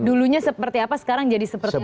dulunya seperti apa sekarang jadi seperti apa